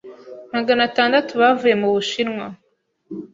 Magana atandatu bavuye mu Bushinwa